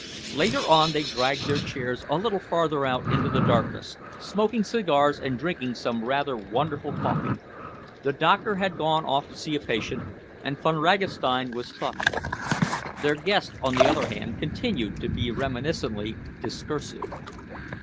Later on they dragged their chairs a little farther out into the darkness, smoking cigars and drinking some rather wonderful coffee. The doctor had gone off to see a patient, and Von Ragastein was thoughtful. Their guest, on the other hand, continued to be reminiscently discursive.